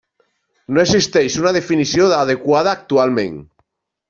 No existeix una definició adequada actualment.